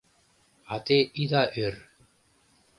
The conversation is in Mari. — А те ида ӧр.